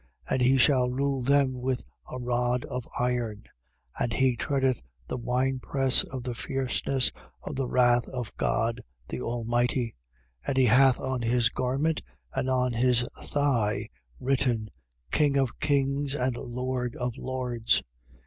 And he shall rule them with a rod of iron: and he treadeth the winepress of the fierceness of the wrath of God the Almighty. 19:16. And he hath on his garment and on his thigh written: KING OF KINGS AND LORD OF LORDS.